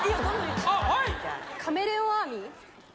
はい「カメレオン・アーミー」？